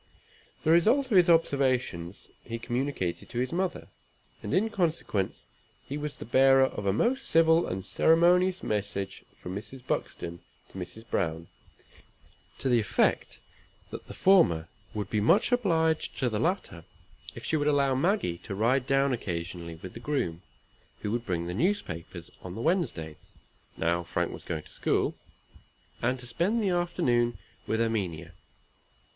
The result of his observations he communicated to his mother, and in consequence, he was the bearer of a most civil and ceremonious message from Mrs. Buxton to Mrs. Browne, to the effect that the former would be much obliged to the latter if she would allow Maggie to ride down occasionally with the groom, who would bring the newspapers on the Wednesdays (now Frank was going to school), and to spend the afternoon with Erminia.